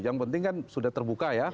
yang penting kan sudah terbuka ya